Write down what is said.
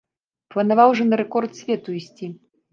Планаваў жа на рэкорд свету ісці.